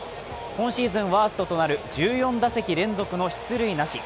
今シーズンワーストとなる１４打席連続の出塁なし。